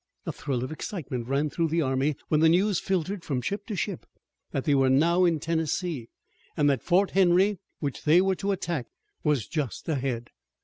A thrill of excitement ran through the army when the news filtered from ship to ship that they were now in Tennessee, and that Fort Henry, which they were to attack, was just ahead.